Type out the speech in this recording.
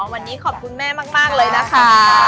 วันนี้ขอบคุณแม่มากเลยนะคะ